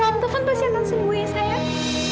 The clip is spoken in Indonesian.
om taufan pasti akan sembuh ya sayang